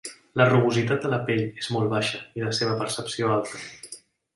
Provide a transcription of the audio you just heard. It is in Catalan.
La rugositat de la pell és molt baixa i la seva percepció alta.